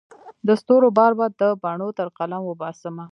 د ستورو بار به د بڼو تر قلم وباسمه